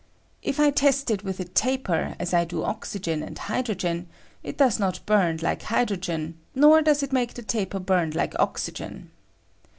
If I test it 'with a taper as I do oxygen aad hydrogen, it does not bum like hydrogen, nor does it makethe taper bum like oxygen.